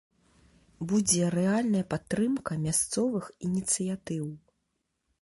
Будзе рэальная падтрымка мясцовых ініцыятыў.